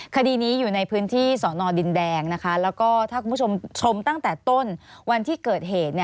คดีนี้อยู่ในพื้นที่สอนอดินแดงนะคะแล้วก็ถ้าคุณผู้ชมชมตั้งแต่ต้นวันที่เกิดเหตุ